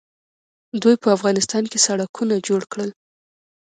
دوی په افغانستان کې سړکونه جوړ کړل.